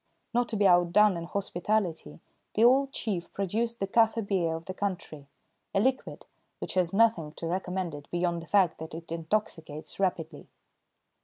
Not to be outdone in hospitality, the old chief produced the kaffir beer of the country, a liquid which has nothing to recommend it beyond the fact that it intoxicates rapidly.